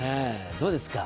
どうですか？